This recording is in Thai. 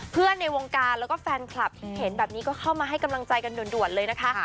ในวงการแล้วก็แฟนคลับที่เห็นแบบนี้ก็เข้ามาให้กำลังใจกันด่วนเลยนะคะ